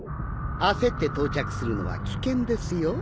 焦って到着するのは危険ですよ。